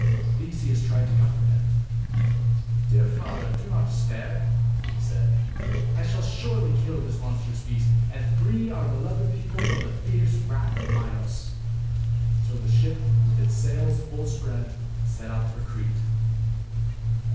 Theseus tried to comfort him. "Dear father, do not despair," he said. " I shall surely kill this monstrous beast and free our beloved people from the fierce wrath of Minos." So the ship, with its sails full spread, set out for Crete.